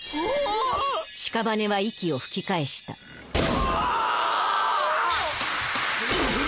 しかばねは息を吹き返したうぉ！